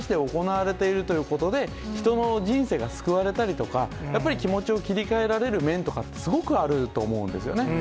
そういうものが、しかも毎日、地域に根ざして行われているということで、人の人生が救われたりとか、やっぱり気持ちを切り替えられる面とかって、すごくあると思うんですよね。